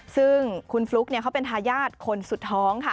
ซึ่งคุณฟลุ๊กเขาเป็นทายาทคนสุดท้องค่ะ